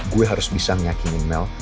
gue harus bisa meyakini mel